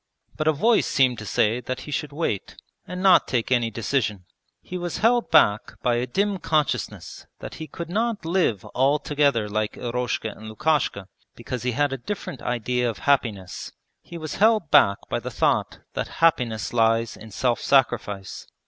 but a voice seemed to say that he should wait, and not take any decision. He was held back by a dim consciousness that he could not live altogether like Eroshka and Lukashka because he had a different idea of happiness he was held back by the thought that happiness lies in self sacrifice.